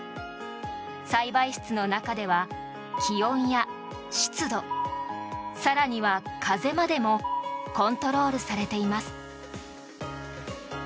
栽培室の中では気温や湿度更には風までもコントロールされています。